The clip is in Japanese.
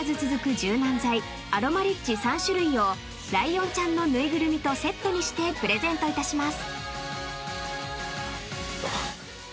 柔軟剤アロマリッチ３種類をライオンちゃんの縫いぐるみとセットにしてプレゼントいたします］